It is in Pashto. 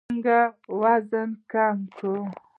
څنګه وزن کم کړو؟